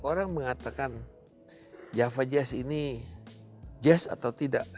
orang mengatakan java jazz ini jazz atau tidak